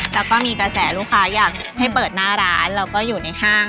แล้วก็มีกระแสลูกค้าอยากให้เปิดหน้าร้านแล้วก็อยู่ในห้าง